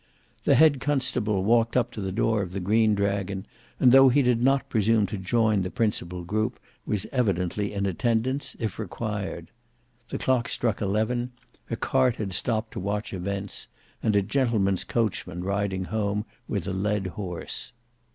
The head constable walked up to the door of the Green Dragon, and though he did not presume to join the principal group, was evidently in attendance, if required. The clock struck eleven; a cart had stopped to watch events, and a gentleman's coachman riding home with a led horse.